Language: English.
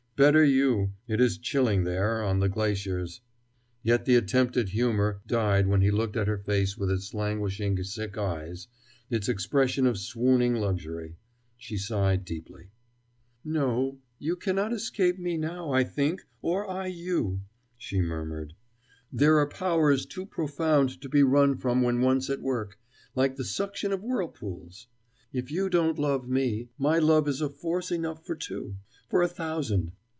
Better you it is chilling there, on the glaciers." Yet the attempt at humor died when he looked at her face with its languishing, sick eyes, its expression of swooning luxury. She sighed deeply. "No, you cannot escape me now, I think, or I you," she murmured. "There are powers too profound to be run from when once at work, like the suction of whirlpools. If you don't love me, my love is a force enough for two, for a thousand.